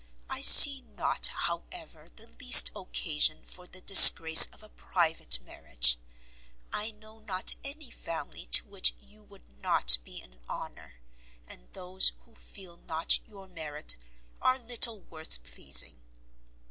I see not, however, the least occasion for the disgrace of a private marriage; I know not any family to which you would not be an honour, and those who feel not your merit, are little worth pleasing.